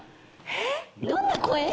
どんな声？